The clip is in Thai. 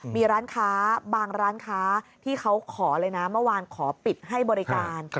มีร้านค้าบางร้านค้าที่เขาขอเลยนะเมื่อวานขอปิดให้บริการ